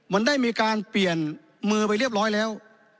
มันได้มีการเปลี่ยนมือไปเรียบร้อยแล้ว